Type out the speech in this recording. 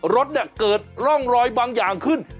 รถเนี่ยเกิดร่องรอยบางอย่างขึ้น